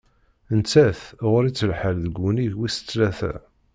Nettat, yuɣ-itt lḥal deg wunnig wis-tlata.